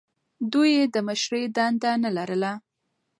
دوی یې د مشرۍ دنده نه لرله.